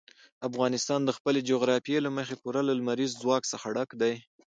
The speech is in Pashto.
افغانستان د خپلې جغرافیې له مخې پوره له لمریز ځواک څخه ډک دی.